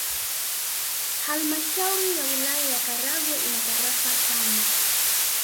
Halmashauri ya Wilaya ya Karagwe ina tarafa tano